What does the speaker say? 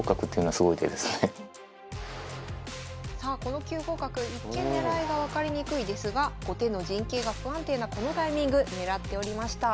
さあこの９五角一見狙いが分かりにくいですが後手の陣形が不安定なこのタイミング狙っておりました。